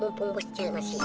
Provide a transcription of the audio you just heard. mumpung bos jahil masih